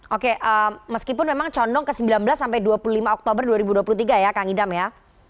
oke meskipun memang condong ke sembilan belas sampai dua puluh lima oktober dua ribu dua puluh tiga ya kang idam ya